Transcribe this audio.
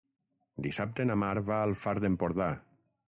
Dissabte na Mar va al Far d'Empordà.